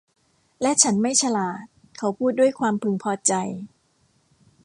และฉันไม่ฉลาด เขาพูดด้วยความพึงพอใจ